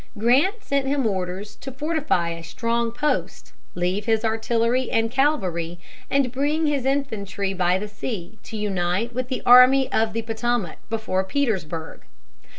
Grant sent him orders to fortify a strong post, leave his artillery and cavalry, and bring his infantry by sea to unite with the Army of the Potomac before Petersburg.